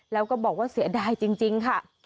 แล้วก็บอกว่าเสียดายจริงค่ะ